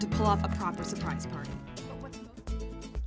banyak hal harus berkumpul untuk menangkap pertemuan yang benar benar mengejutkan